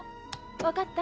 分かった？